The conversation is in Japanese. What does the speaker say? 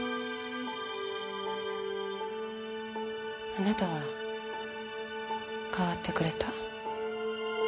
あなたは変わってくれた。